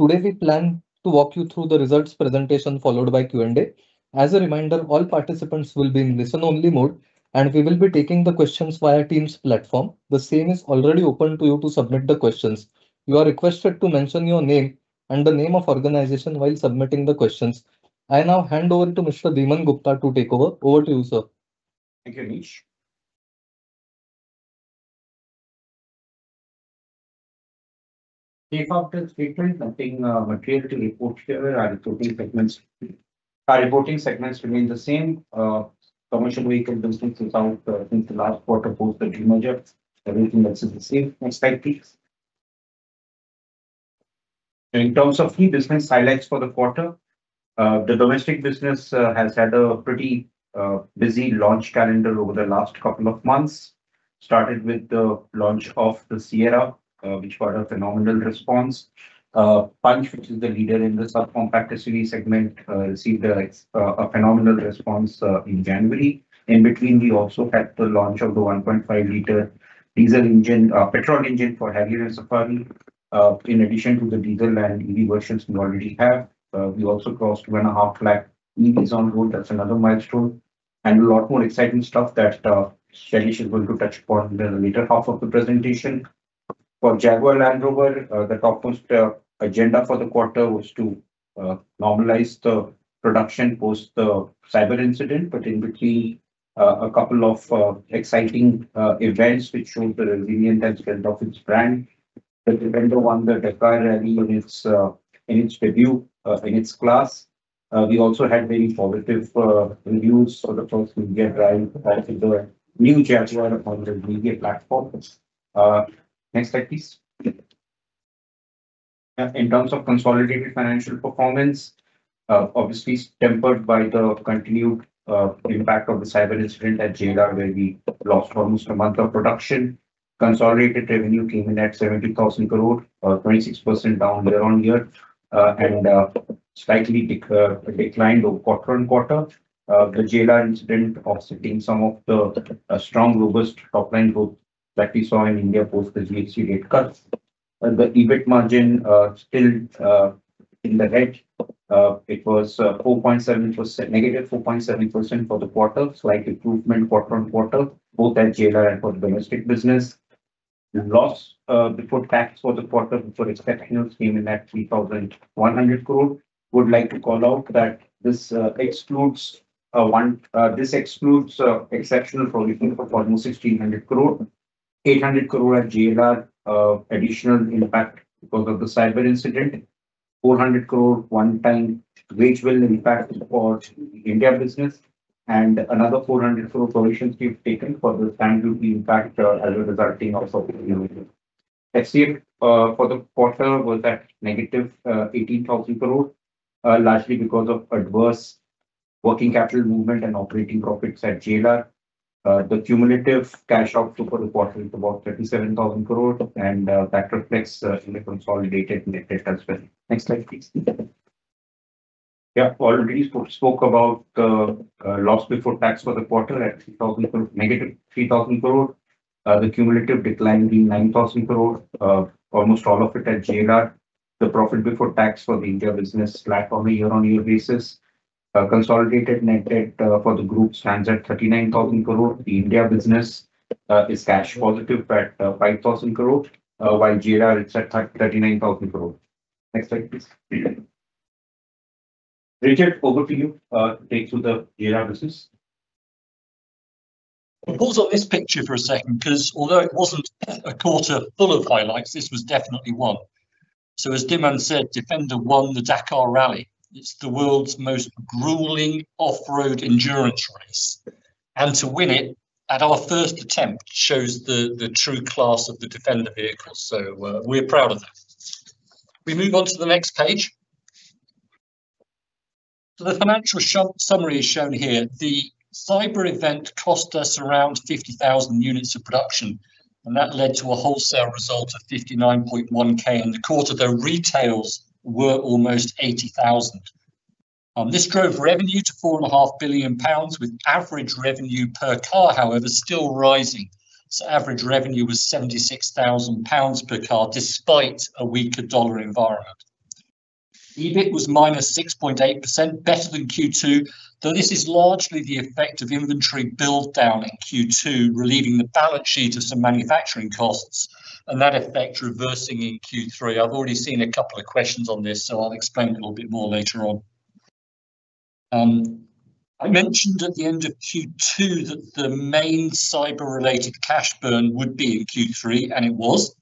Today, we plan to walk you through the results presentation, followed by Q&A. As a reminder, all participants will be in listen-only mode, and we will be taking the questions via Teams platform. The same is already open to you to submit the questions. You are requested to mention your name and the name of organization while submitting the questions. I now hand over to Mr. Dhiman Gupta to take over. Over to you, sir. Thank you, Anish. D&A, nothing material to report here. Our reporting segments, our reporting segments remain the same. Commercial vehicle business is out since the last quarter post the demerger. Everything else is the same. Next slide, please. In terms of key business highlights for the quarter, the domestic business has had a pretty busy launch calendar over the last couple of months. Started with the launch of the Sierra, which got a phenomenal response. Punch, which is the leader in the sub-compact SUV segment, received a phenomenal response in January. In between, we also had the launch of the 1.5 L diesel engine, petrol engine for Harrier and Safari. In addition to the diesel and EV versions we already have, we also crossed 2.5 lakh EVs on road. That's another milestone, and a lot more exciting stuff that Shailesh is going to touch upon in the latter half of the presentation. For Jaguar Land Rover, the top most agenda for the quarter was to normalize the production post the cyber incident, but in between, a couple of exciting events which showed the resilience and strength of its brand. The Defender won the Dakar Rally in its debut in its class. We also had very positive reviews for the first India drive of the new Jaguar on the media platforms. Next slide, please. In terms of consolidated financial performance, obviously tempered by the continued impact of the cyber incident at JLR, where we lost almost a month of production. Consolidated revenue came in at 70,000 crore, 26% down year-on-year, and slightly declined quarter-on-quarter. The JLR incident offsetting some of the strong, robust top-line growth that we saw in India post the GST rate cuts. But the EBIT margin still in the red. It was -4.7% for the quarter, slight improvement quarter-on-quarter, both at JLR and for the domestic business. The loss before tax for the quarter before exceptional items came in at 3,100 crore. Would like to call out that this excludes one exceptional provision for almost 1,600 crore. Eight hundred crore at JLR, additional impact because of the cyber incident, four hundred crore one-time wage bill impact for India business, and another four hundred crore provisions we've taken for the stamp duty impact, as a result of the FCF for the quarter, was at negative eighteen thousand crore, largely because of adverse working capital movement and operating profits at JLR. The cumulative cash outflow for the quarter is about thirty-seven thousand crore, and that reflects in the consolidated net debt as well. Next slide, please. Yeah, already spoke about the loss before tax for the quarter at 3,000 crore, -3,000 crore. The cumulative decline being 9,000 crore, almost all of it at JLR. The profit before tax for the India business flat on a year-on-year basis. Consolidated net debt for the group stands at 39,000 crore. The India business is cash positive at 5,000 crore, while JLR, it's at 39,000 crore. Next slide, please. Richard, over to you to take through the JLR business. Pause on this picture for a second, 'cause although it wasn't a quarter full of highlights, this was definitely one. As Dhiman said, Defender won the Dakar Rally. It's the world's most grueling off-road endurance race, and to win it at our first attempt shows the, the true class of the Defender vehicles, so we're proud of that. We move on to the next page. The financial summary is shown here. The cyber event cost us around 50,000 units of production, and that led to a wholesale result of 59.1K in the quarter, though retails were almost 80,000. This drove revenue to 4.5 billion pounds, with average revenue per car, however, still rising. Average revenue was 76,000 pounds per car, despite a weaker dollar environment. EBIT was -6.8%, better than Q2, though this is largely the effect of inventory build-down in Q2, relieving the balance sheet of some manufacturing costs, and that effect reversing in Q3. I've already seen a couple of questions on this, so I'll explain a little bit more later on. I mentioned at the end of Q2 that the main cyber-related cash burn would be in Q3, and it was.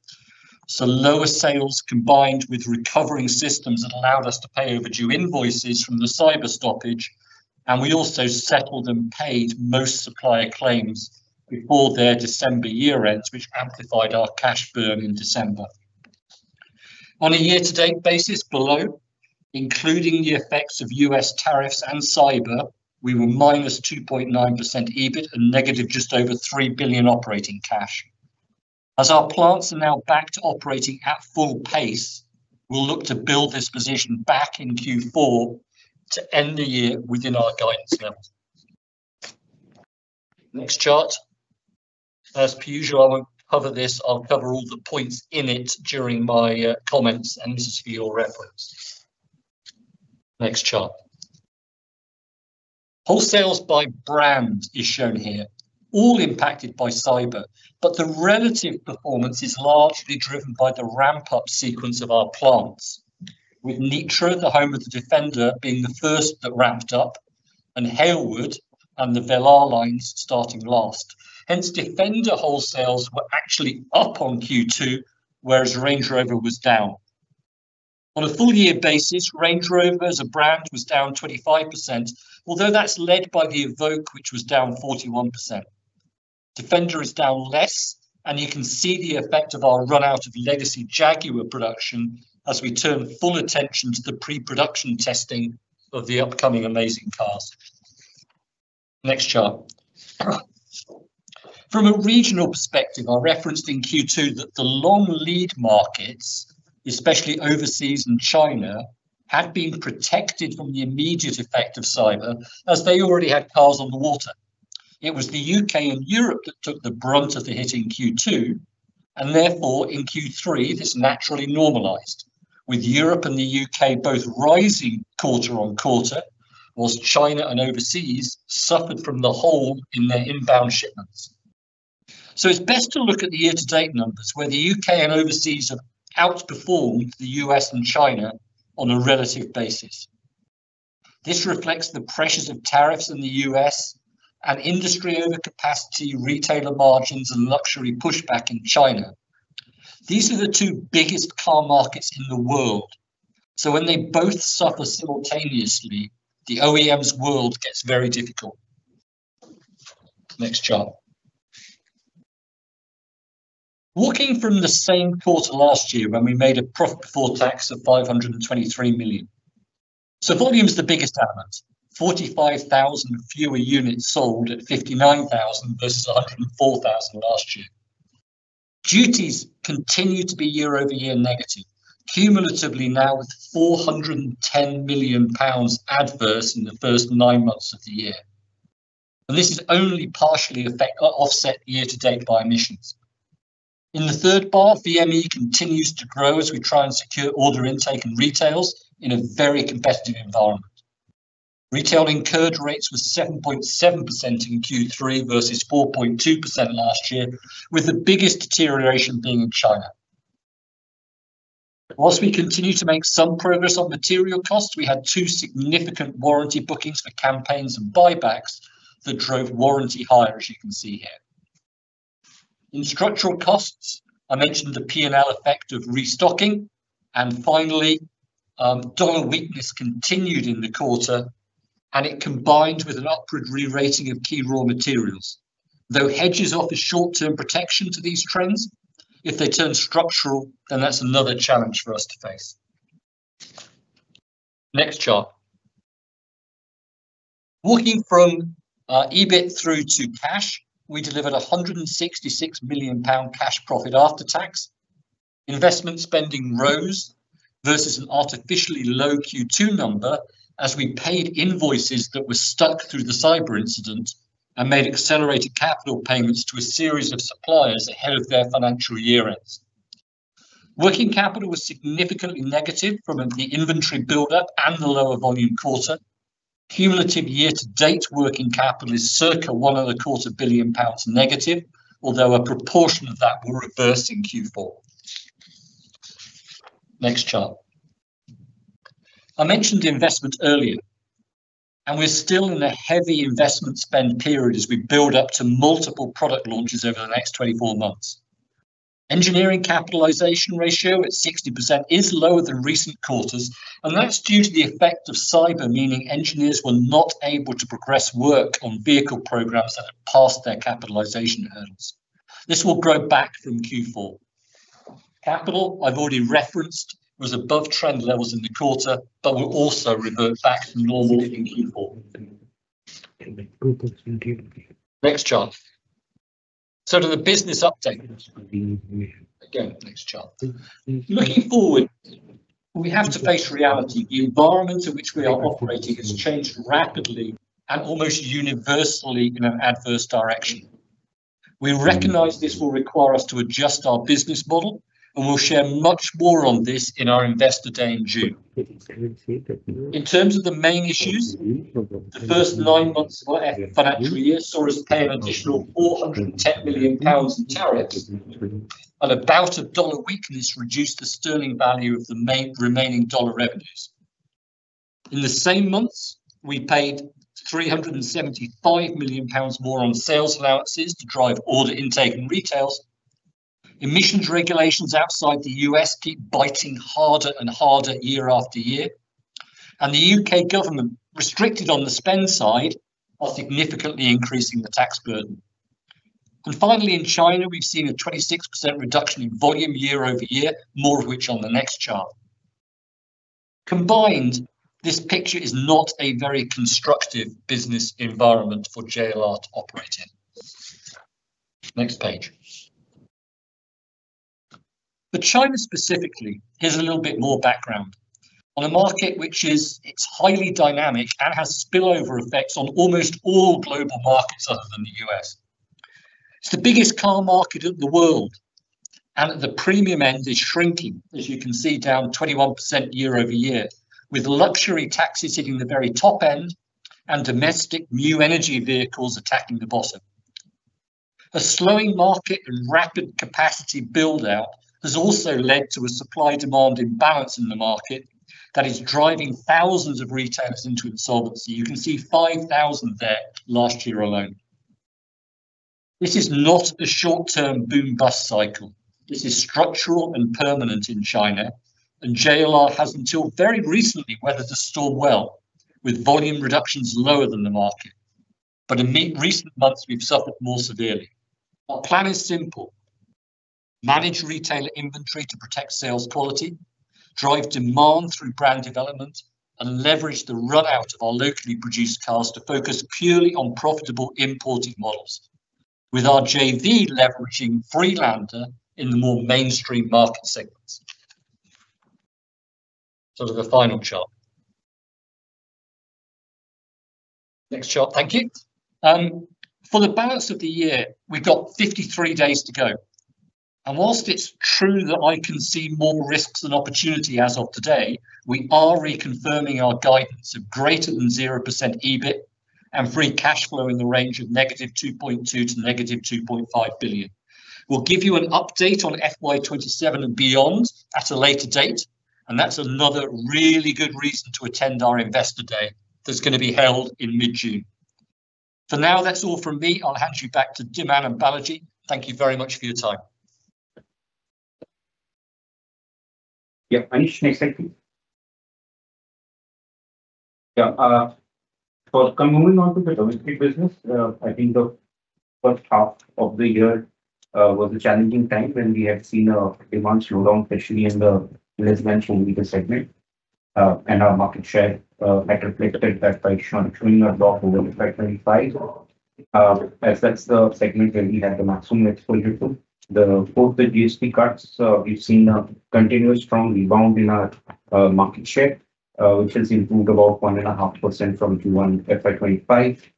So lower sales, combined with recovering systems, that allowed us to pay overdue invoices from the cyber stoppage, and we also settled and paid most supplier claims before their December year-ends, which amplified our cash burn in December. On a year-to-date basis, below, including the effects of U.S. tariffs and cyber, we were -2.9% EBIT and negative just over 3 billion operating cash. As our plants are now back to operating at full pace, we'll look to build this position back in Q4 to end the year within our guidance levels. Next chart. As per usual, I won't cover this. I'll cover all the points in it during my comments, and this is for your reference. Next chart. Wholesales by brand is shown here, all impacted by cyber, but the relative performance is largely driven by the ramp-up sequence of our plants, with Nitra, the home of the Defender, being the first that ramped up, and Halewood and the Velar lines starting last. Hence, Defender wholesales were actually up on Q2, whereas Range Rover was down. On a full year basis, Range Rover as a brand was down 25%, although that's led by the Evoque, which was down 41%. Defender is down less, and you can see the effect of our run out of legacy Jaguar production as we turn full attention to the pre-production testing of the upcoming amazing cars. Next chart. From a regional perspective, I referenced in Q2 that the long lead markets, especially overseas and China, had been protected from the immediate effect of cyber as they already had cars on the water. It was the U.K. and Europe that took the brunt of the hit in Q2, and therefore, in Q3, this naturally normalized, with Europe and the U.K. both rising quarter-over-quarter, whilst China and overseas suffered from the hole in their inbound shipments. So it's best to look at the year-to-date numbers, where the U.K. and overseas have outperformed the U.S. and China on a relative basis. This reflects the pressures of tariffs in the U.S. and industry overcapacity, retailer margins, and luxury pushback in China. These are the two biggest car markets in the world, so when they both suffer simultaneously, the OEM's world gets very difficult. Next chart. Looking from the same quarter last year, when we made a profit before tax of 523 million. So volume is the biggest element, 45,000 fewer units sold at 59,000 versus 104,000 last year. Duties continue to be year-over-year negative, cumulatively now with 410 million pounds adverse in the first nine months of the year, and this is only partially offset year to date by emissions. In the third bar, VME continues to grow as we try and secure order intake and retails in a very competitive environment. Retail incurred rates were 7.7% in Q3 versus 4.2% last year, with the biggest deterioration being in China. While we continue to make some progress on material costs, we had two significant warranty bookings for campaigns and buybacks that drove warranty higher, as you can see here. In structural costs, I mentioned the P&L effect of restocking, and finally, dollar weakness continued in the quarter, and it combined with an upward re-rating of key raw materials. Though hedges offer short-term protection to these trends, if they turn structural, then that's another challenge for us to face. Next chart. Walking from EBIT through to cash, we delivered 166 million pound cash profit after tax. Investment spending rose versus an artificially low Q2 number, as we paid invoices that were stuck through the cyber incident and made accelerated capital payments to a series of suppliers ahead of their financial year ends. Working capital was significantly negative from the inventory buildup and the lower volume quarter. Cumulative year-to-date working capital is circa 1.25 billion pounds negative, although a proportion of that will reverse in Q4. Next chart. I mentioned investment earlier, and we're still in a heavy investment spend period as we build up to multiple product launches over the next 24 months. Engineering capitalization ratio, at 60%, is lower than recent quarters, and that's due to the effect of cyber, meaning engineers were not able to progress work on vehicle programs that had passed their capitalization hurdles. This will grow back from Q4. Capex, I've already referenced, was above trend levels in the quarter, but will also revert back to normal in Q4.... Next chart. So to the business update. Again, next chart. Looking forward, we have to face reality. The environment in which we are operating has changed rapidly and almost universally in an adverse direction. We recognize this will require us to adjust our business model, and we'll share much more on this in our Investor Day in June. In terms of the main issues, the first nine months of our financial year saw us pay an additional 410 million pounds in tariffs, and a bout of dollar weakness reduced the sterling value of the main remaining dollar revenues. In the same months, we paid 375 million pounds more on sales allowances to drive order intake and retails. Emissions regulations outside the U.S. keep biting harder and harder year after year, and the U.K. government, restricted on the spend side, are significantly increasing the tax burden. And finally, in China, we've seen a 26% reduction in volume year-over-year, more of which on the next chart. Combined, this picture is not a very constructive business environment for JLR to operate in. Next page... But China specifically, here's a little bit more background. On a market which is, it's highly dynamic and has spillover effects on almost all global markets other than the U.S. It's the biggest car market in the world, and at the premium end is shrinking, as you can see, down 21% year-over-year, with luxury taxes hitting the very top end and domestic new energy vehicles attacking the bottom. A slowing market and rapid capacity build-out has also led to a supply-demand imbalance in the market that is driving thousands of retailers into insolvency. You can see 5,000 there last year alone. This is not a short-term boom-bust cycle. This is structural and permanent in China, and JLR has, until very recently, weathered the storm well, with volume reductions lower than the market. But in recent months, we've suffered more severely. Our plan is simple: manage retailer inventory to protect sales quality, drive demand through brand development, and leverage the run-out of our locally produced cars to focus purely on profitable imported models, with our JV leveraging Freelander in the more mainstream market segments. Sort of the final chart. Next chart. Thank you. For the balance of the year, we've got 53 days to go, and whilst it's true that I can see more risks than opportunity as of today, we are reconfirming our guidance of greater than 0% EBIT and free cash flow in the range of -2.2 billion--2.5 billion. We'll give you an update on FY 2027 and beyond at a later date, and that's another really good reason to attend our Investor Day that's gonna be held in mid-June. For now, that's all from me. I'll hand you back to Dhiman and Balaji. Thank you very much for your time. Yeah, Anish, next slide, please. Yeah, for coming on to the domestic business, I think the first half of the year was a challenging time when we had seen a demand slowdown, especially in the less mentioned segment. And our market share had reflected that by showing a drop over FY 2025. As that's the segment where we had the maximum exposure to. The fourth, the GST cuts, we've seen a continuous strong rebound in our market share, which has improved about 1.5% from Q1 FY 2025.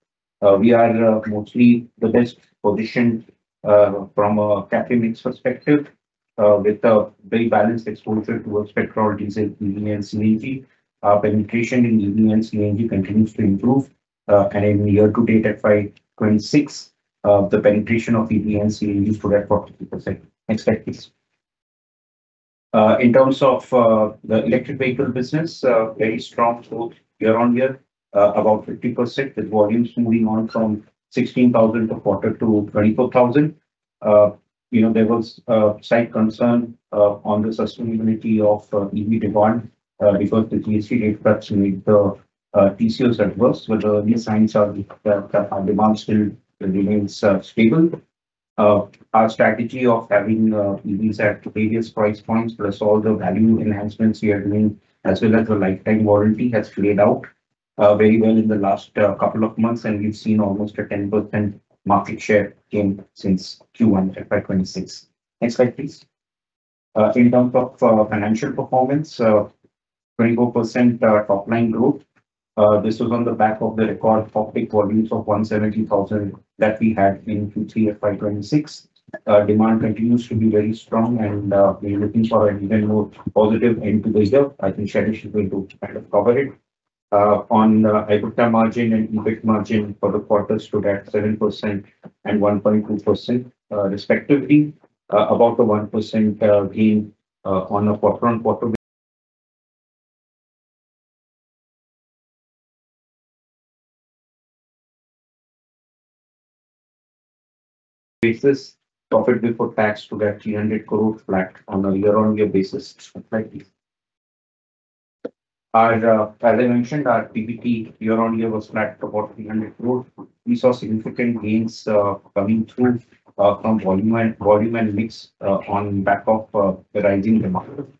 We are mostly the best positioned from a category mix perspective with a very balanced exposure towards petrol, diesel, EV, and CNG. Our penetration in EV and CNG continues to improve, and in year-to-date at FY 2026, the penetration of EV and CNG stood at 43%. Next slide, please. In terms of the electric vehicle business, very strong growth year-on-year, about 50%, with volumes moving on from 16,000 per quarter to 24,000. You know, there was slight concern on the sustainability of EV demand, because the GST rate cuts made the TCOs adverse, but the early signs are that our demand still remains stable. Our strategy of having EVs at various price points, plus all the value enhancements we are doing, as well as the lifetime warranty, has played out very well in the last couple of months, and we've seen almost a 10% market share gain since Q1 FY 2026. Next slide, please. In terms of financial performance, 24% top-line growth. This was on the back of the record top volumes of 170,000 that we had in Q3 FY 2026. Demand continues to be very strong, and we're looking for an even more positive end to the year. I think Shailesh is going to kind of cover it. On EBITDA margin and EBIT margin for the quarter stood at 7% and 1.2%, respectively. About 1% gain on a quarter-over-quarter basis, profit before tax stood at 300 crore flat on a year-over-year basis. Next slide, please. As I mentioned, our PBT year over year was flat, about 300 crore. We saw significant gains coming through from volume and mix on back of the rising demand.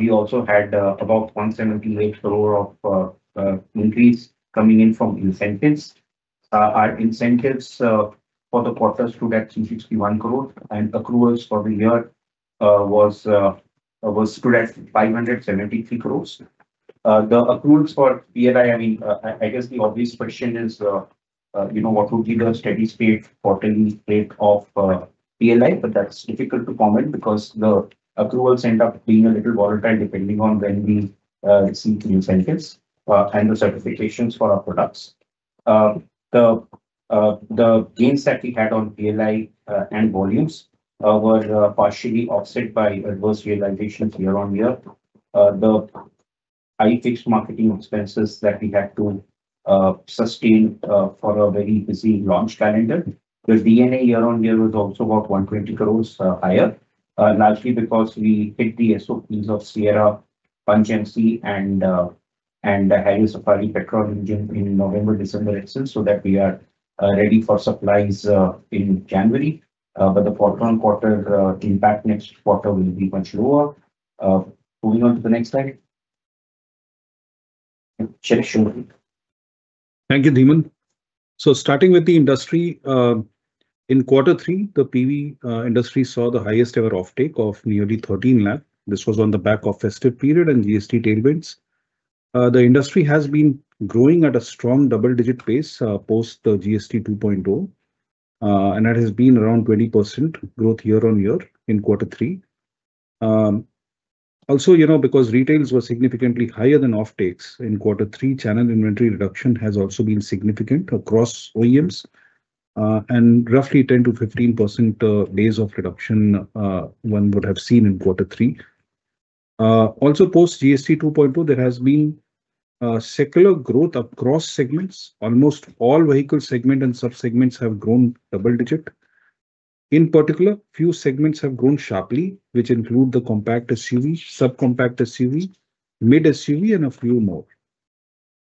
We also had about 178 crore of increase coming in from incentives. Our incentives for the quarters stood at 361 crore, and accruals for the year stood at 573 crore. The accruals for PLI, I mean, I guess the obvious question is, you know, what would be the steady state or telling state of PLI? But that's difficult to comment because the accruals end up being a little volatile, depending on when we receive the incentives, and the certifications for our products. The gains that we had on PLI, and volumes, were partially offset by adverse realizations year-on-year. The high fixed marketing expenses that we had to sustain, for a very busy launch calendar. The D&A year-on-year was also about 120 crore higher, largely because we hit the SOPs of Sierra, Punch, and Curvv, and the Harrier Safari petrol engine in November, December itself, so that we are ready for supplies, in January. But the quarter-on-quarter impact next quarter will be much lower. Moving on to the next slide.... Sure, sure. Thank you, Dhiman. So starting with the industry, in quarter three, the PV industry saw the highest ever offtake of nearly 13 lakh. This was on the back of festive period and GST tailwinds. The industry has been growing at a strong double-digit pace, post the GST 2.0, and that has been around 20% growth year-on-year in quarter three. Also, you know, because retails were significantly higher than offtakes in quarter three, channel inventory reduction has also been significant across OEMs. And roughly 10%-15% days of reduction, one would have seen in quarter three. Also post GST 2.0, there has been secular growth across segments. Almost all vehicle segment and subsegments have grown double digit. In particular, few segments have grown sharply, which include the compact SUV, subcompact SUV, mid SUV, and a few more.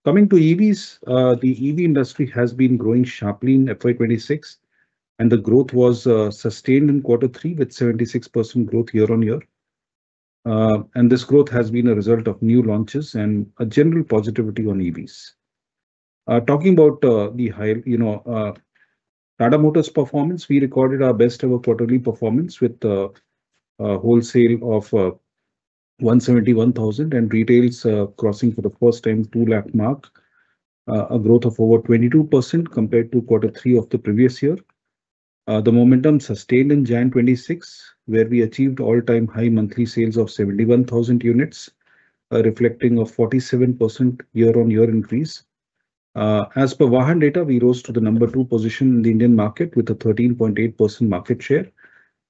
Coming to EVs, the EV industry has been growing sharply in FY 2026, and the growth was sustained in quarter 3, with 76% growth year-on-year. And this growth has been a result of new launches and a general positivity on EVs. Talking about the high... you know, Tata Motors' performance, we recorded our best ever quarterly performance with a wholesale of 171,000 and retails crossing for the first time 200,000 mark, a growth of over 22% compared to quarter three of the previous year. The momentum sustained in January 2026, where we achieved all-time high monthly sales of 71,000 units, reflecting a 47% year-on-year increase. As per Vahan data, we rose to the number two position in the Indian market with a 13.8% market share,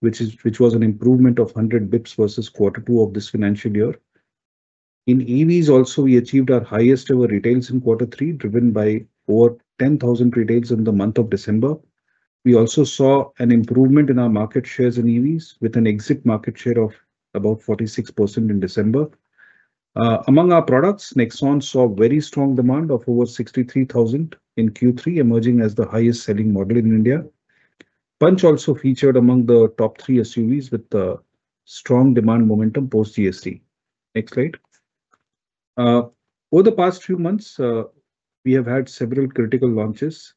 which was an improvement of 100 bips versus quarter two of this financial year. In EVs also, we achieved our highest ever retails in quarter three, driven by over 10,000 retails in the month of December. We also saw an improvement in our market shares in EVs, with an exit market share of about 46% in December. Among our products, Nexon saw very strong demand of over 63,000 in Q3, emerging as the highest-selling model in India. Punch also featured among the top three SUVs with a strong demand momentum post GST. Next slide. Over the past few months, we have had several critical launches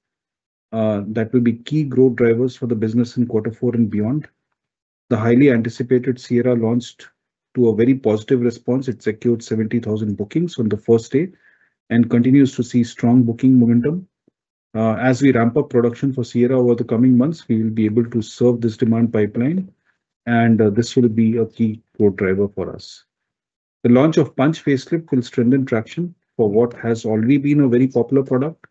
that will be key growth drivers for the business in quarter four and beyond. The highly anticipated Sierra launched to a very positive response. It secured 70,000 bookings on the first day and continues to see strong booking momentum. As we ramp up production for Sierra over the coming months, we will be able to serve this demand pipeline, and this will be a key growth driver for us. The launch of Punch Facelift will strengthen traction for what has already been a very popular product.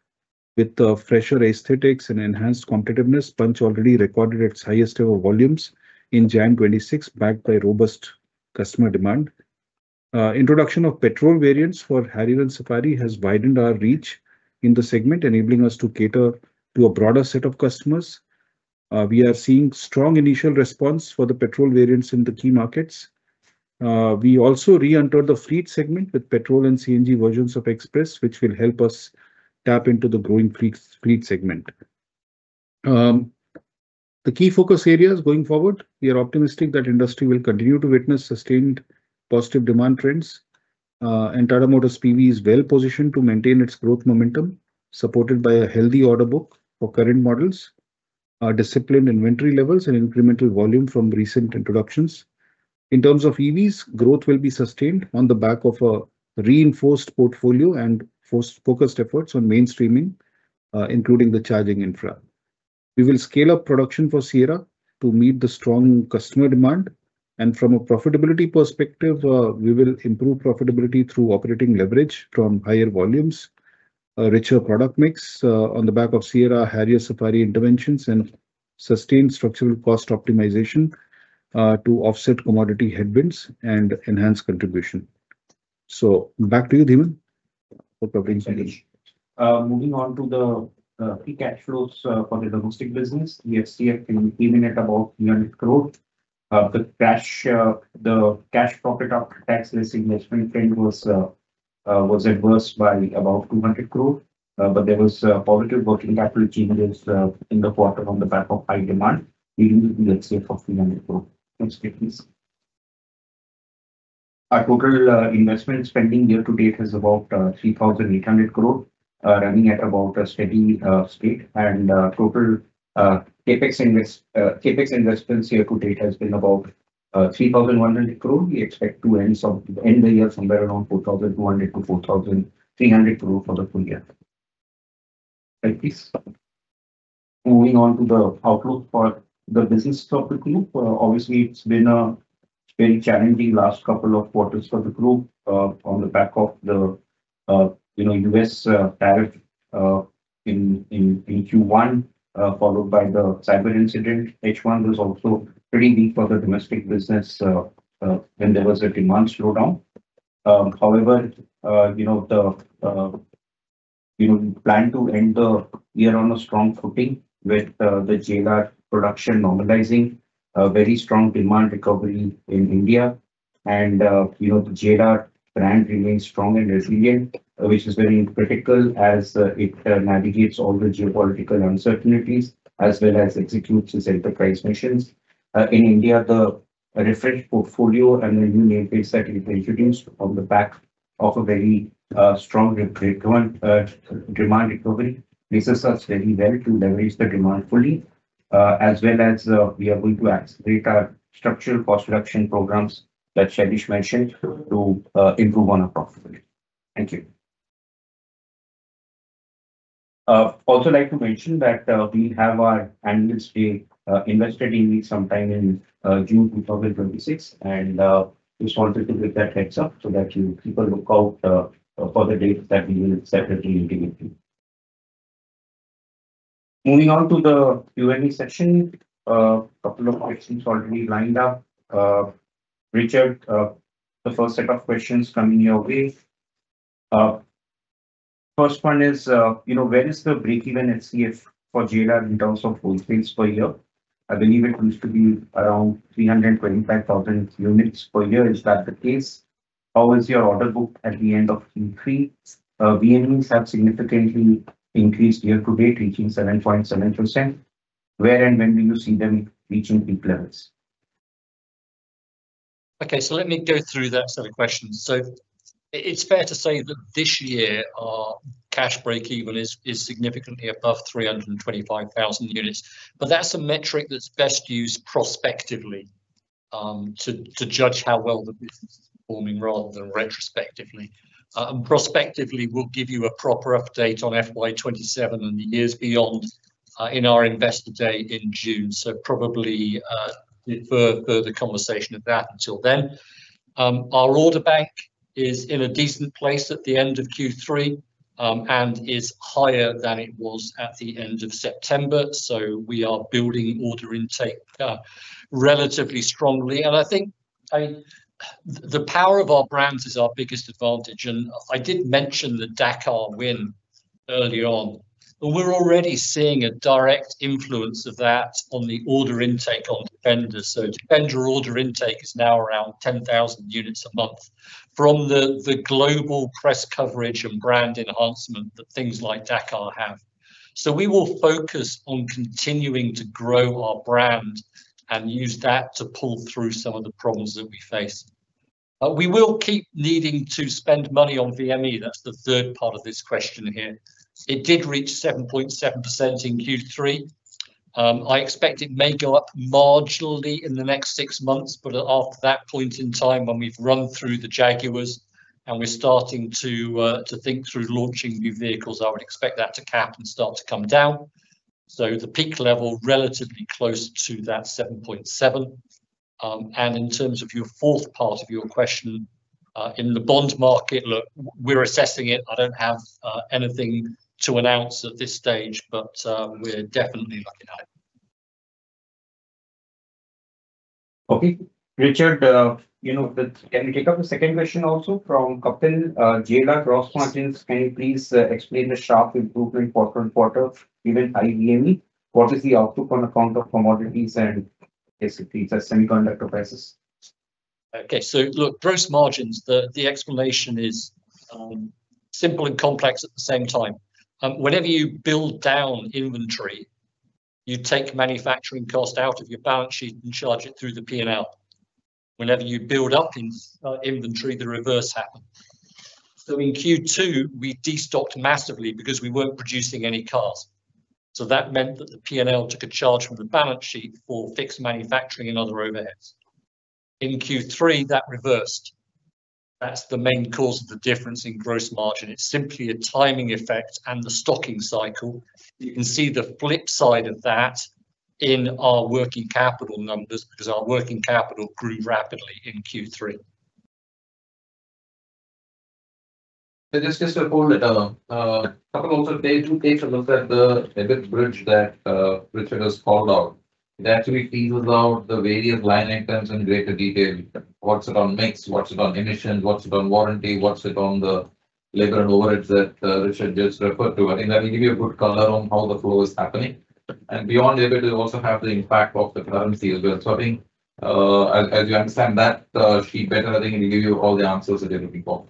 With the fresher aesthetics and enhanced competitiveness, Punch already recorded its highest ever volumes in January 2026, backed by robust customer demand. Introduction of petrol variants for Harrier and Safari has widened our reach in the segment, enabling us to cater to a broader set of customers. We are seeing strong initial response for the petrol variants in the key markets. We also re-entered the fleet segment with petrol and CNG versions of Xpres, which will help us tap into the growing fleet segment. The key focus areas going forward, we are optimistic that industry will continue to witness sustained positive demand trends. And Tata Motors PV is well positioned to maintain its growth momentum, supported by a healthy order book for current models, disciplined inventory levels, and incremental volume from recent introductions. In terms of EVs, growth will be sustained on the back of a reinforced portfolio and focused efforts on mainstreaming, including the charging infra. We will scale up production for Sierra to meet the strong customer demand, and from a profitability perspective, we will improve profitability through operating leverage from higher volumes, a richer product mix, on the back of Sierra, Harrier, Safari interventions, and sustained structural cost optimization, to offset commodity headwinds and enhance contribution. So back to you, Dhiman, for providing- Thank you. Moving on to the free cash flows for the domestic business. The FCF even at about 300 crore, the cash profit after tax less investment spend was at worst by about 200 crore. But there was positive working capital changes in the quarter on the back of high demand, leading to the FCF of INR 300 crore. Next slide, please. Our total investment spending year to date is about 3,800 crore, running at about a steady state. And total CapEx investments year to date has been about 3,100 crore. We expect to end the year somewhere around 4,200 crore-4,300 crore for the full year. Next, please. Moving on to the outlook for the business of the group. Obviously, it's been a very challenging last couple of quarters for the group, on the back of the, you know, U.S. tariff in Q1, followed by the cyber incident. H1 was also pretty weak for the domestic business, when there was a demand slowdown. However, you know, we plan to end the year on a strong footing with the Jaguar production normalizing, a very strong demand recovery in India. And, you know, the Jaguar brand remains strong and resilient, which is very critical as it navigates all the geopolitical uncertainties, as well as executes its enterprise missions. In India, the refreshed portfolio and the new nameplate introductions on the back-... of a very strong current demand recovery places us very well to leverage the demand fully, as well as we are going to accelerate our structural cost reduction programs that Shailesh mentioned to improve on our profitability. Thank you. Also like to mention that we have our annual Strategic Investor Day meet sometime in June 2026, and just wanted to give that heads up so that you people look out for the date that we will separately be giving you. Moving on to the Q&A session. Couple of questions already lined up. Richard, the first set of questions coming your way. First one is, you know, where is the break-even FCF for Jaguar in terms of wholesale sales per year? I believe it used to be around 325,000 units per year. Is that the case? How is your order book at the end of Q3? VMEs have significantly increased year to date, reaching 7.7%. Where and when do you see them reaching peak levels? Okay, so let me go through that set of questions. So it's fair to say that this year, our cash break-even is significantly above 325,000 units. But that's a metric that's best used prospectively, to judge how well the business is performing rather than retrospectively. Prospectively, we'll give you a proper update on FY 2027 and the years beyond, in our Investor Day in June. So probably, defer further conversation of that until then. Our order bank is in a decent place at the end of Q3, and is higher than it was at the end of September, so we are building order intake, relatively strongly. And I think, I... The power of our brands is our biggest advantage, and I did mention the Dakar win early on, but we're already seeing a direct influence of that on the order intake on Defender. So Defender order intake is now around 10,000 units a month from the global press coverage and brand enhancement that things like Dakar have. So we will focus on continuing to grow our brand and use that to pull through some of the problems that we face. But we will keep needing to spend money on VME. That's the third part of this question here. It did reach 7.7% in Q3. I expect it may go up marginally in the next six months, but after that point in time, when we've run through the Jaguars, and we're starting to think through launching new vehicles, I would expect that to cap and start to come down. So the peak level, relatively close to that 7.7. And in terms of your fourth part of your question, in the bond market, look, we're assessing it. I don't have anything to announce at this stage, but we're definitely looking at it. Okay, Richard, you know, can we take up the second question also from Kapil, Jaguar gross margins, can you please explain the sharp improvement quarter-over-quarter, even high VME? What is the outlook on account of commodities and basically the semiconductor prices? Okay. So look, gross margins, the explanation is simple and complex at the same time. Whenever you build down inventory, you take manufacturing cost out of your balance sheet and charge it through the P&L. Whenever you build up in inventory, the reverse happen. So in Q2, we destocked massively because we weren't producing any cars. So that meant that the P&L took a charge from the balance sheet for fixed manufacturing and other overheads. In Q3, that reversed. That's the main cause of the difference in gross margin. It's simply a timing effect and the stocking cycle. You can see the flip side of that in our working capital numbers, because our working capital grew rapidly in Q3. So just to hold it, couple of pages also, take a look at the EBIT bridge that Richard has called out. That actually teases out the various line items in greater detail. What's it on mix? What's it on emissions? What's it on warranty? What's it on the labor and overheads that Richard just referred to? I think that will give you a good color on how the flow is happening. And beyond EBIT, we also have the impact of the currency as well. So I think as you understand that sheet better, I think it'll give you all the answers that you're looking for.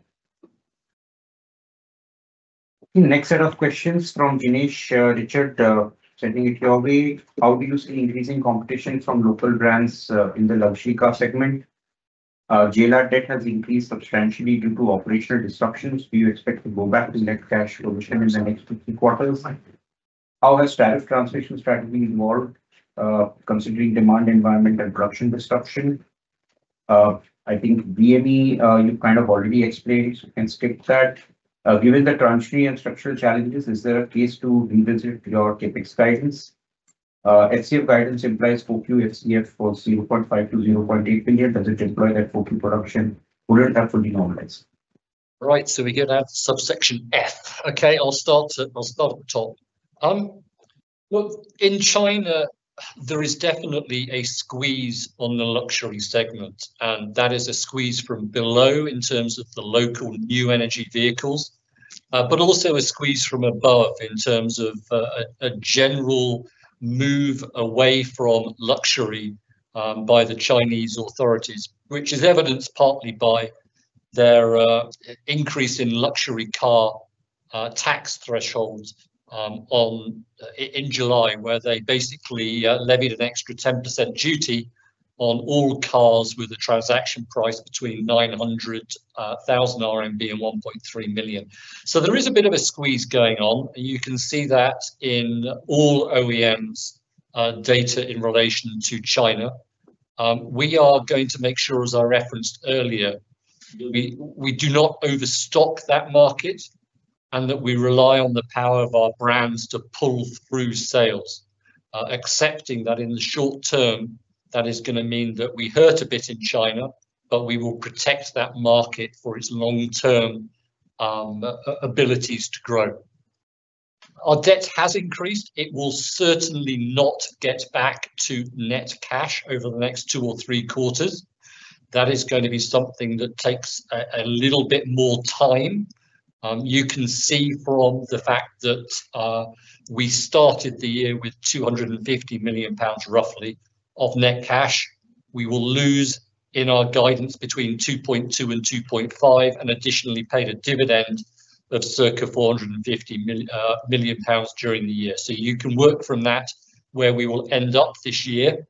Next set of questions from Ganesh. Richard, sending it your way. How do you see increasing competition from local brands in the luxury car segment? Jaguar debt has increased substantially due to operational disruptions. Do you expect to go back to net cash flow position in the next two, three quarters? How has tariff translation strategy evolved, considering demand, environment, and production disruption? I think VME, you kind of already explained, so you can skip that. Given the transitory and structural challenges, is there a case to revisit your CapEx guidance? SCF guidance implies full year SCF for 0.5 billion-0.8 billion. Does it imply that full year production wouldn't have to be normalized? Right, so we're here to have subsection F. Okay, I'll start at the top. Well, in China, there is definitely a squeeze on the luxury segment, and that is a squeeze from below in terms of the local new energy vehicles, but also a squeeze from above in terms of a general move away from luxury by the Chinese authorities, which is evidenced partly by their increase in luxury car tax thresholds in July, where they basically levied an extra 10% duty on all cars with a transaction price between 900,000 RMB and 1.3 million. So there is a bit of a squeeze going on, and you can see that in all OEMs data in relation to China. We are going to make sure, as I referenced earlier, we, we do not overstock that market and that we rely on the power of our brands to pull through sales. Accepting that in the short term, that is gonna mean that we hurt a bit in China, but we will protect that market for its long-term abilities to grow. Our debt has increased. It will certainly not get back to net cash over the next two or three quarters. That is going to be something that takes a little bit more time. You can see from the fact that we started the year with 250 million pounds, roughly, of net cash. We will lose in our guidance between 2.2 and 2.5, and additionally, paid a dividend of circa 450 million pounds during the year. So you can work from that, where we will end up this year,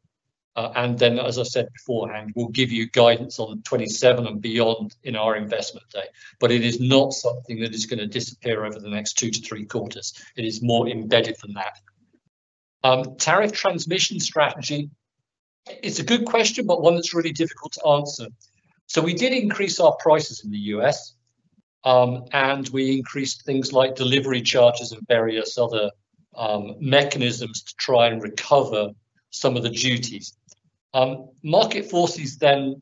and then, as I said beforehand, we'll give you guidance on the 2027 and beyond in our investment day. But it is not something that is gonna disappear over the next two to three quarters. It is more embedded than that. Tariff transmission strategy, it's a good question, but one that's really difficult to answer. So we did increase our prices in the U.S., and we increased things like delivery charges and various other mechanisms to try and recover some of the duties. Market forces then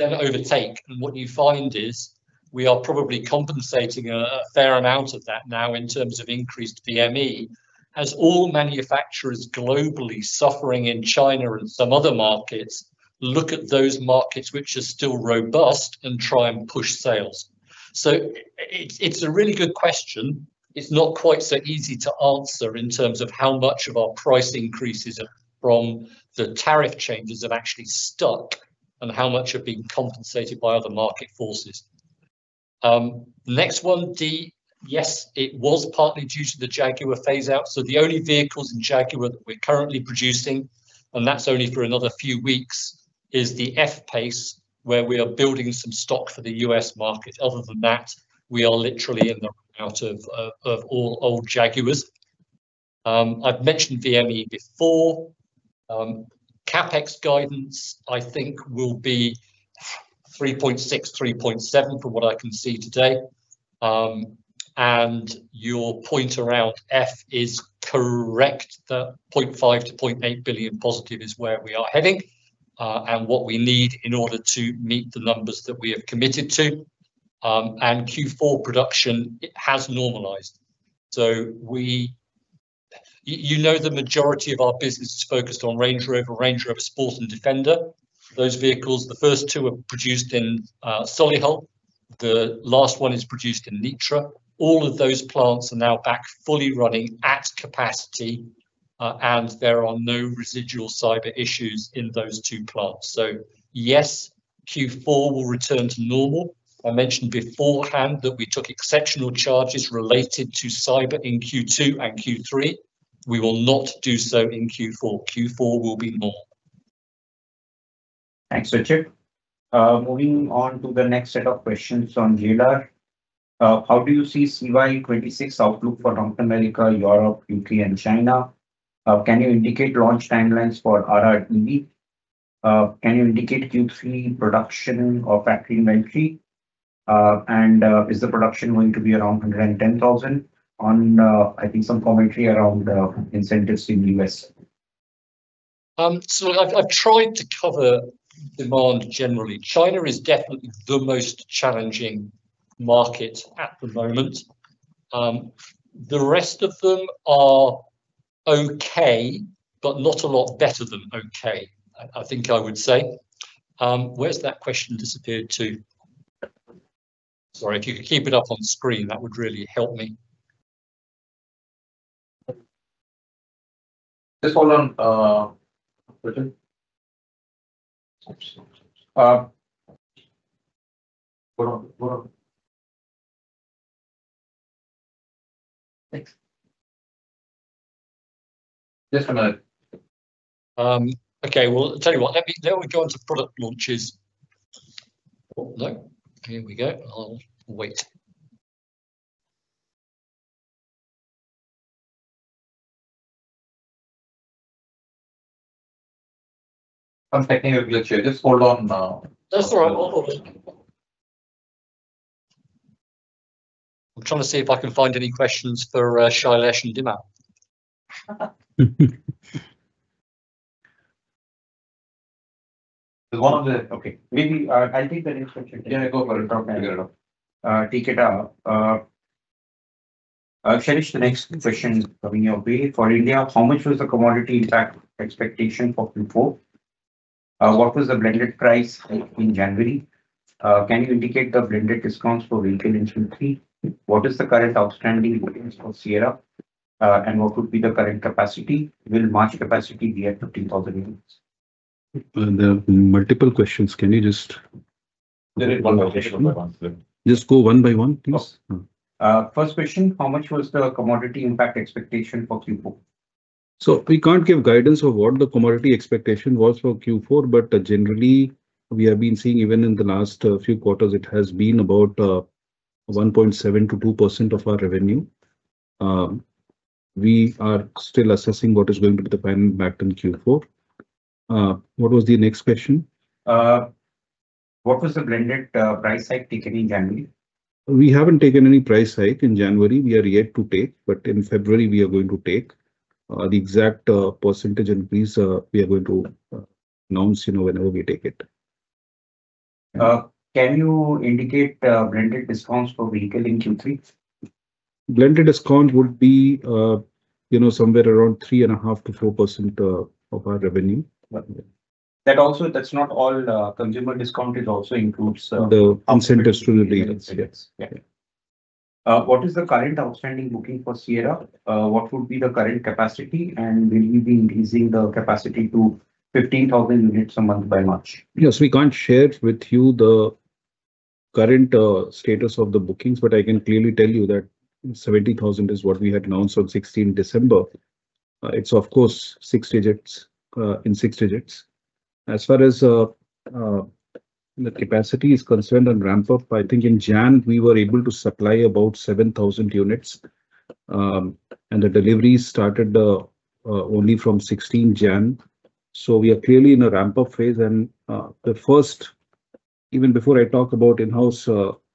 overtake, and what you find is, we are probably compensating a fair amount of that now in terms of increased VME. As all manufacturers globally suffering in China and some other markets look at those markets which are still robust and try and push sales. So it's a really good question. It's not quite so easy to answer in terms of how much of our price increases are from the tariff changes have actually stuck, and how much are being compensated by other market forces. Next one, D, yes, it was partly due to the Jaguar phase-out. So the only vehicles in Jaguar that we're currently producing, and that's only for another few weeks, is the F-PACE, where we are building some stock for the U.S. market. Other than that, we are literally in the run out of all old Jaguars. I've mentioned VME before. CapEx guidance, I think, will be 3.6-3.7, from what I can see today. And your point about FCF is correct, that 0.5-0.8 billion positive is where we are heading, and what we need in order to meet the numbers that we have committed to. And Q4 production, it has normalized. So you know, the majority of our business is focused on Range Rover, Range Rover Sport, and Defender. Those vehicles, the first two are produced in Solihull. The last one is produced in Nitra. All of those plants are now back, fully running at capacity, and there are no residual cyber issues in those two plants. So, yes, Q4 will return to normal. I mentioned beforehand that we took exceptional charges related to cyber in Q2 and Q3. We will not do so in Q4. Q4 will be normal. Thanks, Richard. Moving on to the next set of questions on radar. How do you see CY26 outlook for North America, Europe, U.K., and China? Can you indicate launch timelines for RR EV? Can you indicate Q3 production or factory monthly? And, is the production going to be around 110,000 on, I think some commentary around, incentives in U.S.? So I've tried to cover demand generally. China is definitely the most challenging market at the moment. The rest of them are okay, but not a lot better than okay, I think I would say. Where's that question disappeared to? Sorry, if you could keep it up on screen, that would really help me. Just hold on, Richard. Oops. Hold on, hold on. Thanks. Yes, hello. Okay, well, I tell you what, let me... Then we go on to product launches. Oh, no, here we go. I'll wait. I'm thinking of a glitch here. Just hold on. That's all right. I'll hold it. I'm trying to see if I can find any questions for Shailesh and Dhiman. Okay, maybe, I'll take the next question. Yeah, go for it. Take it up, Shailesh, the next question coming your way. For India, how much was the commodity impact expectation for Q4? What was the blended price in January? Can you indicate the blended discounts for retail in Q3? What is the current outstanding bookings for Sierra, and what would be the current capacity? Will March capacity be at 15,000 units? There are multiple questions. Can you just-... There is one question. Just go one by one, please. Okay. First question: How much was the commodity impact expectation for Q4? So we can't give guidance of what the commodity expectation was for Q4, but, generally, we have been seeing, even in the last, few quarters, it has been about, 1.7%-2% of our revenue. We are still assessing what is going to be the plan back in Q4. What was the next question? What was the blended price hike taken in January? We haven't taken any price hike in January. We are yet to take, but in February we are going to take. The exact percentage increase we are going to announce, you know, whenever we take it. Can you indicate blended discounts for vehicle in Q3? Blended discount would be, you know, somewhere around 3.5%-4% of our revenue. That also, that's not all, consumer discount, it also includes, The incentives to the dealers. Yes. Yeah. What is the current outstanding booking for Sierra? What would be the current capacity, and will you be increasing the capacity to 15,000 units a month by March? Yes. We can't share with you the current status of the bookings, but I can clearly tell you that 70,000 is what we had announced on sixteenth December. It's of course six digits in six digits. As far as the capacity is concerned and ramp up, I think in January we were able to supply about 7,000 units. And the deliveries started only from sixteenth January, so we are clearly in a ramp-up phase. Even before I talk about in-house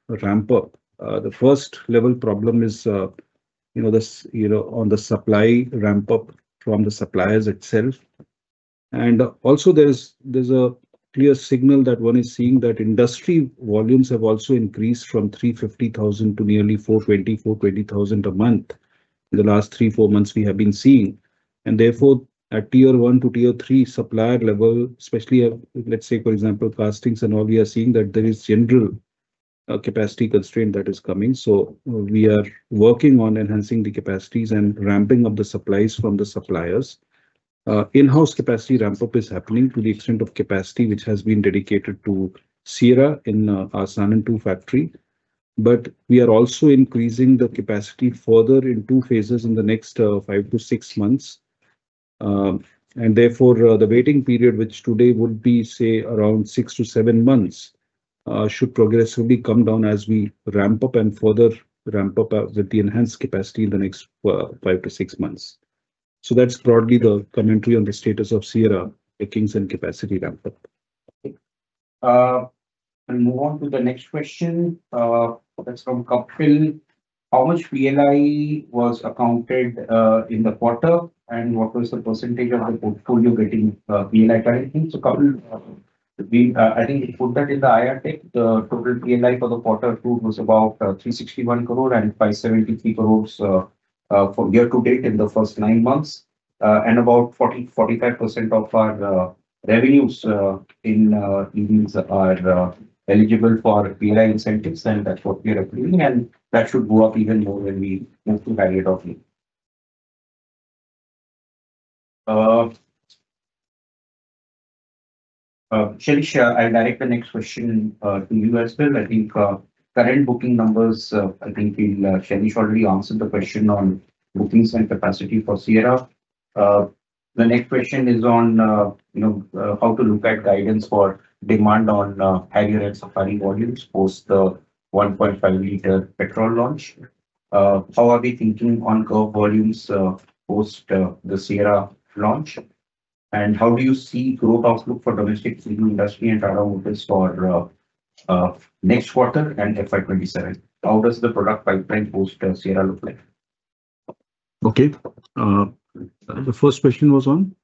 ramp-up, the first level problem is, you know, this, you know, on the supply ramp-up from the suppliers itself. And also there's a clear signal that one is seeing that industry volumes have also increased from 350,000 to nearly 420,000 a month in the last 3-4 months we have been seeing. And therefore, at tier one to tier three supplier level, especially at, let's say, for example, castings and all, we are seeing that there is general capacity constraint that is coming. So we are working on enhancing the capacities and ramping up the supplies from the suppliers. In-house capacity ramp-up is happening to the extent of capacity which has been dedicated to Sierra in our Sanand-2 factory, but we are also increasing the capacity further in two phases in the next five to six months. And therefore, the waiting period, which today would be, say, around six to seven months, should progressively come down as we ramp up and further ramp up with the enhanced capacity in the next 5-6 months. That's broadly the commentary on the status of Sierra bookings and capacity ramp-up. I'll move on to the next question, that's from Kapil. How much PLI was accounted in the quarter, and what was the percentage of the portfolio getting PLI benefits? So, Kapil, we, I think we put that in the IR deck, the total PLI for the quarter, which was about 361 crore and 573 crore for year to date in the first nine months. And about 40%-45% of our revenues in India are eligible for PLI incentives, and that's what we are approving, and that should go up even more when we move to value offering. Shailesh, I'll direct the next question to you as well. I think current booking numbers, I think Shailesh already answered the question on bookings and capacity for Sierra. The next question is on, you know, how to look at guidance for demand on Harrier and Safari volumes post the 1.5 L petrol launch. How are we thinking on Curvv volumes post the Sierra launch? And how do you see growth outlook for domestic vehicle industry and Tata Motors for next quarter and FY 2027? How does the product pipeline post Sierra look like? Okay. The first question was on?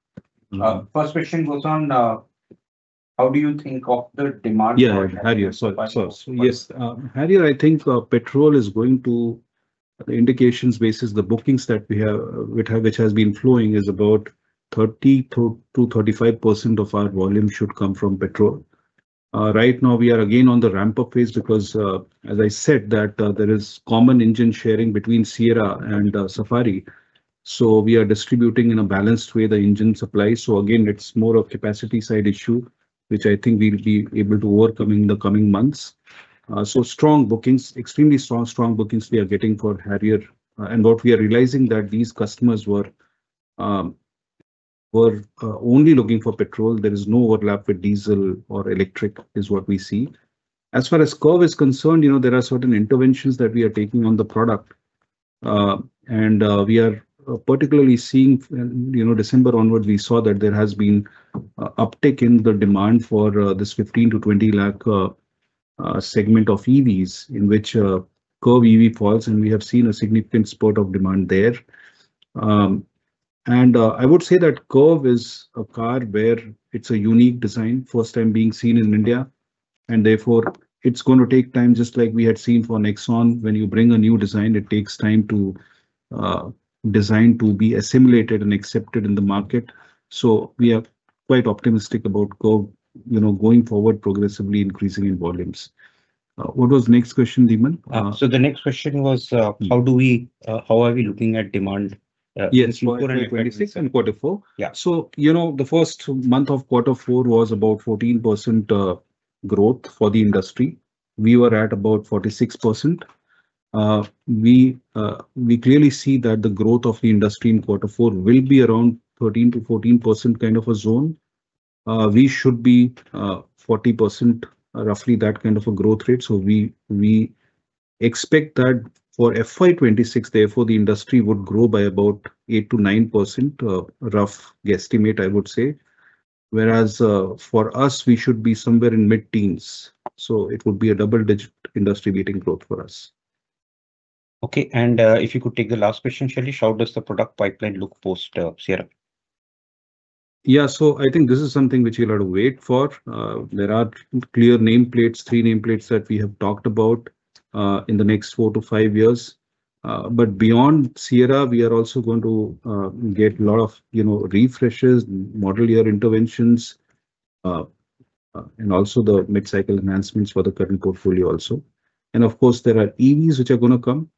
First question was on how do you think of the demand? Yeah, Harrier. So, yes, Harrier, I think petrol is going to... The indications basis the bookings that we have, which has been flowing, is about 30%-35% of our volume should come from petrol. Right now, we are again on the ramp-up phase because, as I said, that there is common engine sharing between Sierra and Safari, so we are distributing in a balanced way, the engine supply. So again, it's more of capacity side issue, which I think we'll be able to work on in the coming months. So strong bookings, extremely strong, strong bookings we are getting for Harrier. And what we are realizing, that these customers were only looking for petrol. There is no overlap with diesel or electric, is what we see. As far as Curvv is concerned, you know, there are certain interventions that we are taking on the product. And we are particularly seeing, you know, December onwards, we saw that there has been uptick in the demand for this 15-20 lakh segment of EVs, in which Curvv EV falls, and we have seen a significant spurt of demand there. And I would say that Curvv is a car where it's a unique design, first time being seen in India, and therefore it's going to take time, just like we had seen for Nexon. When you bring a new design, it takes time to design to be assimilated and accepted in the market. So we are quite optimistic about Curvv, you know, going forward, progressively increasing in volumes.... What was next question, Niman? The next question was, how are we looking at demand... Yes. quarter 26 and quarter 4? Yeah. So, you know, the first month of quarter four was about 14% growth for the industry. We were at about 46%. We clearly see that the growth of the industry in quarter four will be around 13%-14% kind of a zone. We should be 40%, roughly that kind of a growth rate. So we expect that for FY 2026, therefore, the industry would grow by about 8%-9%, rough guesstimate, I would say. Whereas, for us, we should be somewhere in mid-teens, so it would be a double-digit industry-leading growth for us. Okay, and if you could take the last question, Shailesh: How does the product pipeline look post Sierra? Yeah. So I think this is something which you'll have to wait for. There are clear nameplates, three nameplates that we have talked about, in the next four to five years. But beyond Sierra, we are also going to get a lot of, you know, refreshes, model year interventions, and also the mid-cycle enhancements for the current portfolio also. And of course, there are EVs, which are gonna come.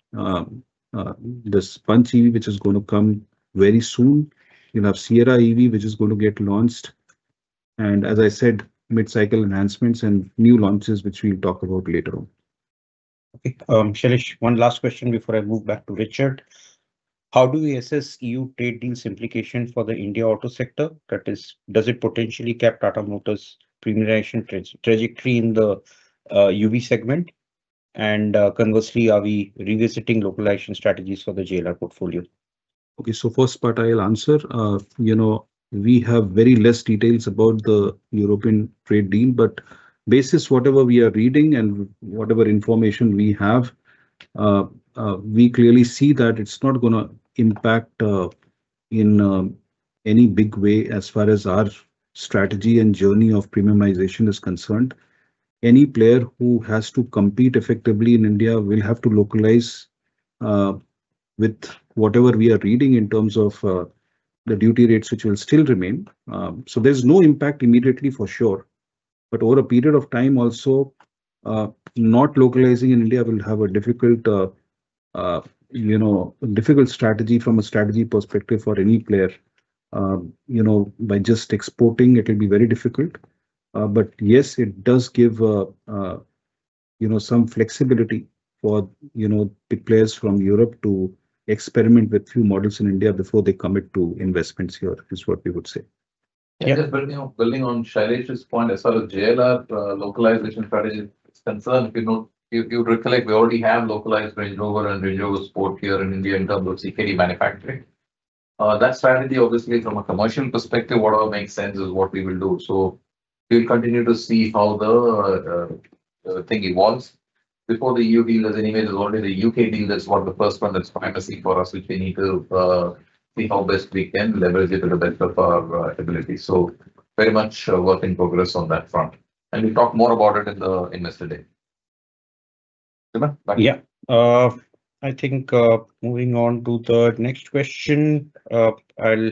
The Punch EV, which is going to come very soon. You have Sierra EV, which is going to get launched, and as I said, mid-cycle enhancements and new launches, which we'll talk about later on. Okay, Shailesh, one last question before I move back to Richard. How do we assess EU trading implications for the India auto sector? That is, does it potentially cap Tata Motors' premiumization trajectory in the UV segment, and conversely, are we revisiting localization strategies for the JLR portfolio? Okay, so first part I'll answer. You know, we have very less details about the European trade deal, but basis whatever we are reading and whatever information we have, we clearly see that it's not gonna impact in any big way as far as our strategy and journey of premiumization is concerned. Any player who has to compete effectively in India will have to localize with whatever we are reading in terms of the duty rates, which will still remain. So there's no impact immediately, for sure, but over a period of time also, not localizing in India will have a difficult, you know, difficult strategy from a strategy perspective for any player. You know, by just exporting, it will be very difficult. But yes, it does give, you know, some flexibility for, you know, the players from Europe to experiment with new models in India before they commit to investments here, is what we would say. Yeah, just building on, building on Shailesh's point, as far as JLR, localization strategy is concerned, you know, if you recollect, we already have localized Range Rover and Range Rover Sport here in India in terms of CKD manufacturing. That strategy, obviously, from a commercial perspective, whatever makes sense is what we will do. So we'll continue to see how the thing evolves. Before the EU deal, as anyways, only the U.K. deal is one, the first one that's primacy for us, which we need to see how best we can leverage it to the best of our ability. So very much a work in progress on that front, and we'll talk more about it in the Investor Day. Dhiman? Yeah. I think, moving on to the next question, I'll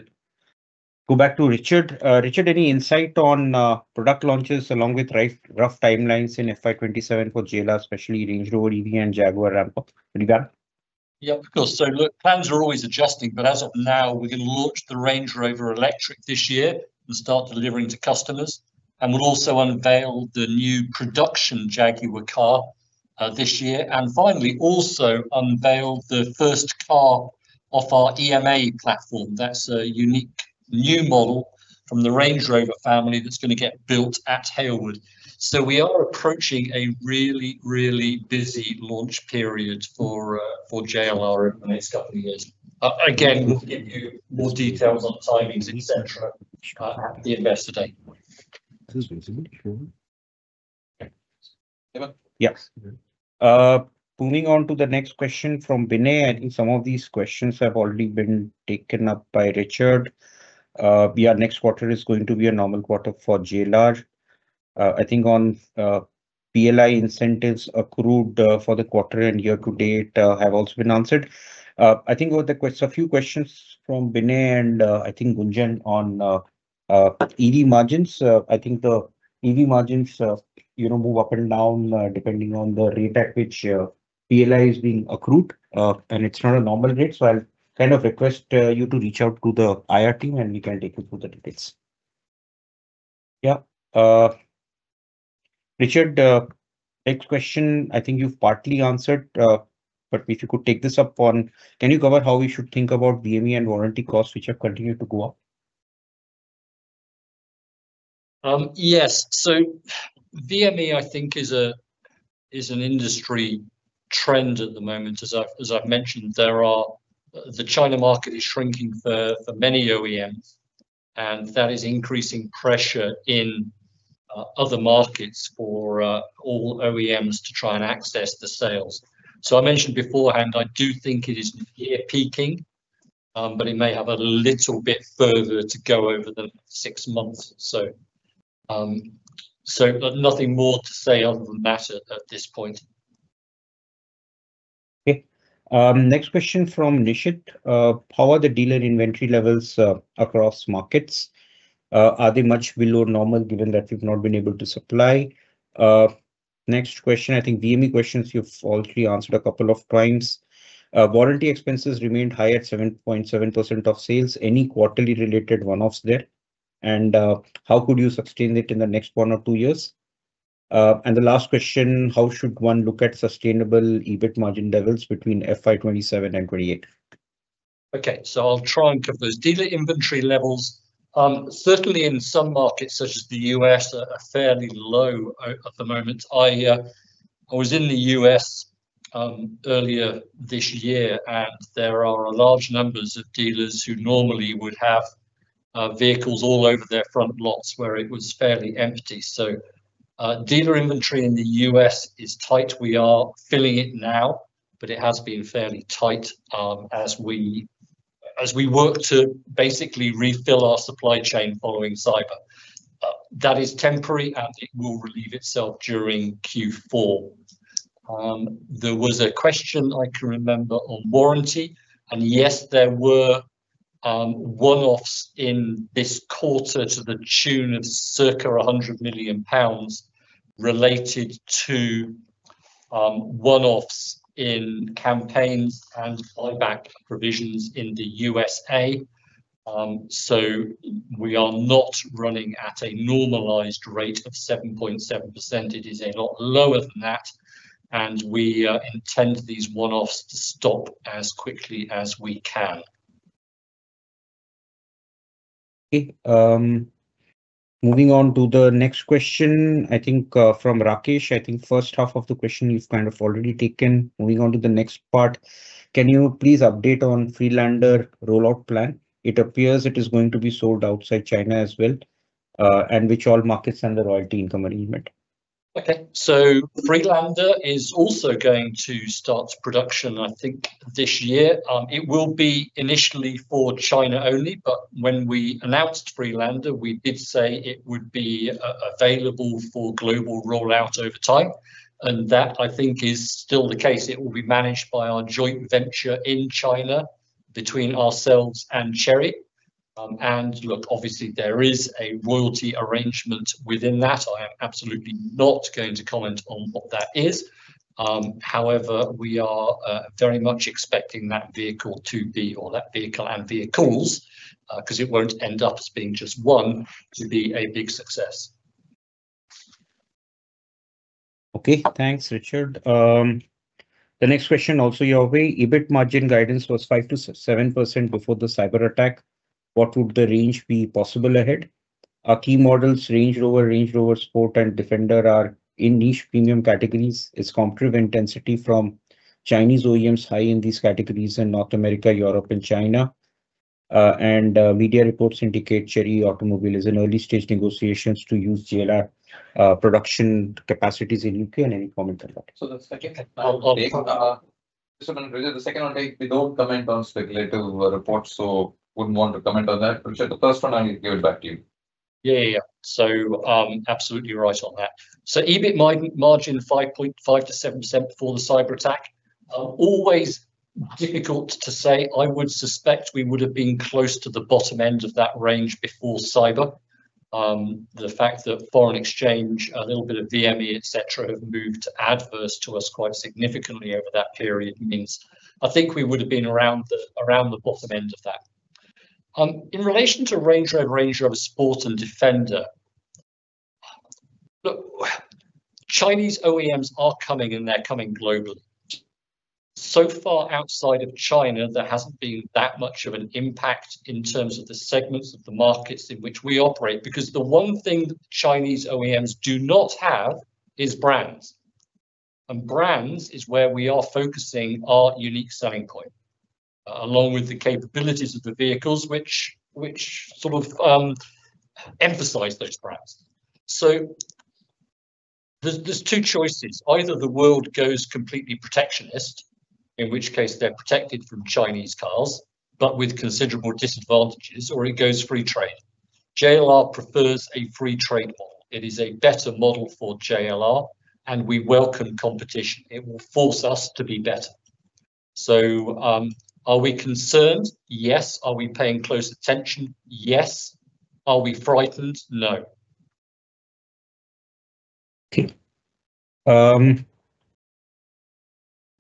go back to Richard. Richard, any insight on product launches along with rough timelines in FY 2027 for JLR, especially Range Rover EV and Jaguar ramp up? Pretty bad? Yeah, of course. So look, plans are always adjusting, but as of now, we're going to launch the Range Rover Electric this year and start delivering to customers, and we'll also unveil the new production Jaguar car, this year. And finally, also unveil the first car off our EMA platform. That's a unique new model from the Range Rover family that's gonna get built at Halewood. So we are approaching a really, really busy launch period for, for JLR in the next couple of years. Again, we'll give you more details on timings, et cetera, at the Investor Day. This is pretty sure. Yeah. Yes. Moving on to the next question from Vinay. I think some of these questions have already been taken up by Richard. Yeah, next quarter is going to be a normal quarter for JLR. I think on PLI incentives accrued for the quarter and year to date have also been answered. I think with a few questions from Vinay, and I think Gunjan on EV margins, I think the EV margins, you know, move up and down depending on the rate at which PLI is being accrued. And it's not a normal rate, so I'll kind of request you to reach out to the IR team, and we can take you through the details. Yeah. Richard, next question, I think you've partly answered, but if you could take this up. Can you cover how we should think about VME and warranty costs, which have continued to go up? Yes. So VME, I think, is a, is an industry trend at the moment. As I've, as I've mentioned, there are-- the China market is shrinking for, for many OEMs, and that is increasing pressure in, other markets for, all OEMs to try and access the sales. So I mentioned beforehand, I do think it is near peaking, but it may have a little bit further to go over the six months or so. So, but nothing more to say on the matter at this point.... Okay, next question from Nishit. "How are the dealer inventory levels across markets? Are they much below normal, given that you've not been able to supply?" Next question, I think VME questions you've already answered a couple of times. "Warranty expenses remained high at 7.7% of sales. Any quarterly related one-offs there, and how could you sustain it in the next one or two years?" And the last question: "How should one look at sustainable EBIT margin levels between FY 2027 and 2028? Okay, so I'll try and cover those. Dealer inventory levels, certainly in some markets, such as the U.S., are fairly low at the moment. I, I was in the U.S., earlier this year, and there are large numbers of dealers who normally would have vehicles all over their front lots, where it was fairly empty. So, dealer inventory in the U.S. is tight. We are filling it now, but it has been fairly tight, as we work to basically refill our supply chain following cyber. That is temporary, and it will relieve itself during Q4. There was a question, I can remember, on warranty, and, yes, there were one-offs in this quarter to the tune of circa 100 million pounds related to one-offs in campaigns and buyback provisions in the USA. So we are not running at a normalized rate of 7.7%. It is a lot lower than that, and we intend these one-offs to stop as quickly as we can. Okay, moving on to the next question, I think, from Rakesh. I think first half of the question you've kind of already taken. Moving on to the next part, "Can you please update on Freelander rollout plan? It appears it is going to be sold outside China as well, and which all markets are under royalty income agreement. Okay, so Freelander is also going to start production, I think, this year. It will be initially for China only, but when we announced Freelander, we did say it would be available for global rollout over time, and that, I think, is still the case. It will be managed by our joint venture in China between ourselves and Chery. And look, obviously, there is a royalty arrangement within that. I am absolutely not going to comment on what that is. However, we are very much expecting that vehicle to be or that vehicle and vehicles, 'cause it won't end up as being just one, to be a big success. Okay. Thanks, Richard. The next question also your way, "EBIT margin guidance was 5%-7% before the cyberattack. What would the range be possible ahead? Our key models, Range Rover, Range Rover Sport, and Defender are in niche premium categories. Is competitive intensity from Chinese OEMs high in these categories in North America, Europe, and China? And media reports indicate Chery Automobile is in early-stage negotiations to use JLR production capacities in UK." And any comment on that? So the second, the second one, we don't comment on speculative reports, so wouldn't want to comment on that. But, Richard, the first one, I will give it back to you. Yeah, yeah, yeah, so, absolutely right on that. So EBIT margin, 5.5%-7% before the cyberattack, always difficult to say. I would suspect we would've been close to the bottom end of that range before cyber. The fact that foreign exchange, a little bit of VME, et cetera, have moved adverse to us quite significantly over that period means I think we would've been around the, around the bottom end of that. In relation to Range Rover, Range Rover Sport, and Defender, look, Chinese OEMs are coming, and they're coming globally. So far, outside of China, there hasn't been that much of an impact in terms of the segments of the markets in which we operate, because the one thing that Chinese OEMs do not have is brands, and brands is where we are focusing our unique selling point, along with the capabilities of the vehicles, which sort of emphasize those brands. So there's two choices. Either the world goes completely protectionist, in which case they're protected from Chinese cars, but with considerable disadvantages, or it goes free trade. JLR prefers a free trade model. It is a better model for JLR, and we welcome competition. It will force us to be better. So, are we concerned? Yes. Are we paying close attention? Yes. Are we frightened? No. Okay,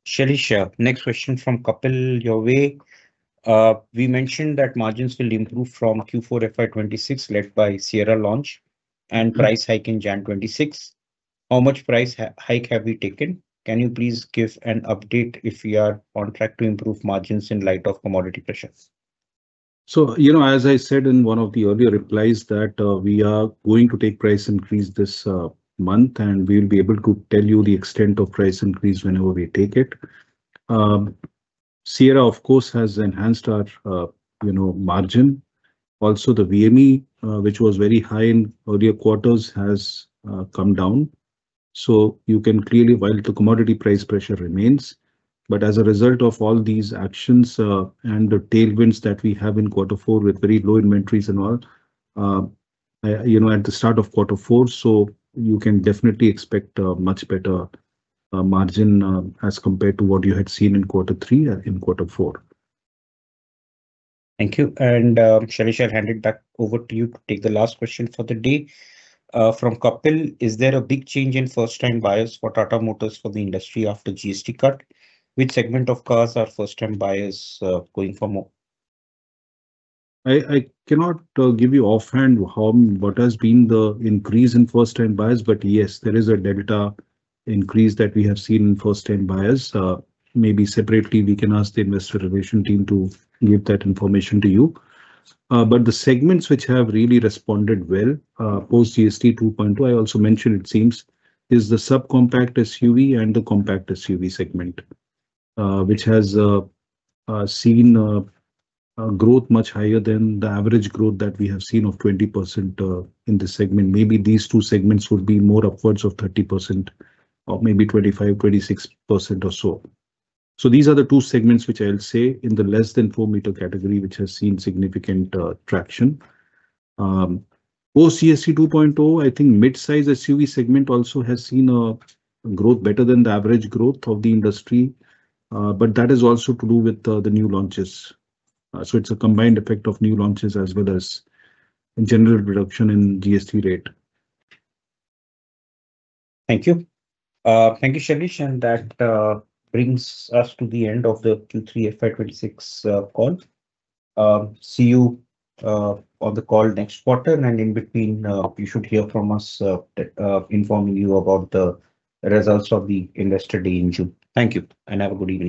Shailesh here. Next question from Kapil your way. "We mentioned that margins will improve from Q4 FY 2026, led by Sierra launch and price hike in Jan 26. How much price hike have we taken? Can you please give an update if we are on track to improve margins in light of commodity pressures? So, you know, as I said in one of the earlier replies, that we are going to take price increase this month, and we'll be able to tell you the extent of price increase whenever we take it. Sierra, of course, has enhanced our, you know, margin. Also, the VME, which was very high in earlier quarters, has come down, so you can clearly... while the commodity price pressure remains, but as a result of all these actions, and the tailwinds that we have in quarter four, with very low inventories and all, you know, at the start of quarter four, so you can definitely expect a much better margin, as compared to what you had seen in quarter three, in quarter four. Thank you, and, Shailesh, I'll hand it back over to you to take the last question for the day, from Kapil: "Is there a big change in first-time buyers for Tata Motors for the industry after GST cut? Which segment of cars are first-time buyers, going for more? I cannot give you offhand what has been the increase in first-time buyers, but yes, there is a definite increase that we have seen in first-time buyers. Maybe separately, we can ask the investor relations team to give that information to you. But the segments which have really responded well post GST 2.0, I also mentioned, it seems, is the subcompact SUV and the compact SUV segment, which has seen a growth much higher than the average growth that we have seen of 20% in the segment. Maybe these two segments will be more upwards of 30% or maybe 25%-26% or so. So these are the two segments which I'll say in the less than 4-meter category, which has seen significant traction. Post GST 2.0, I think midsize SUV segment also has seen a growth better than the average growth of the industry, but that is also to do with the new launches. So it's a combined effect of new launches as well as general reduction in GST rate. Thank you. Thank you, Shailesh, and that brings us to the end of the Q3 FY 2026 call. See you on the call next quarter, and in between, you should hear from us that informing you about the results of the Investor Day in June. Thank you, and have a good evening.